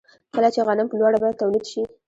کله چې غنم په لوړه بیه تولید شي